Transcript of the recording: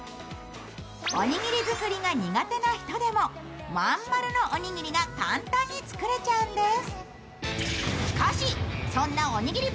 おにぎり作りが苦手な人でもまん丸なおにぎりが簡単に作れちゃうんです。